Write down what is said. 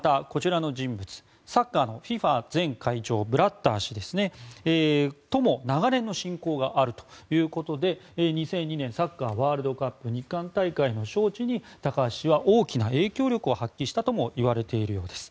また、サッカーのＦＩＦＡ前会長ブラッター氏とも長年の親交があるということで２００２年サッカーワールドカップ日韓大会の招致に高橋氏は、大きな影響力を発揮したともいわれているようです。